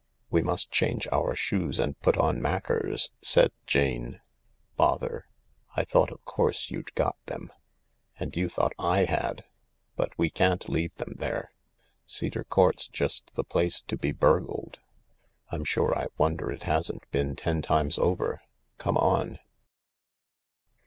" We must change our shoes and put on mackers," said Jane. " Bother [ I thought of course you'd got them. And you thought J had. But we can't leave them there. Cedar Court's just the place to be burgled. I'm sure I wonder it hasn't been ten times over. Come on."